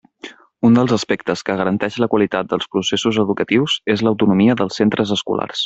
Un dels aspectes que garanteix la qualitat dels processos educatius és l'autonomia dels centres escolars.